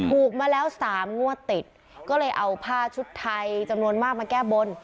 ถูกมาแล้ว๓งวดติดก็เลยเอาผ้าชุดไทยจำนวนมากมาแก้บน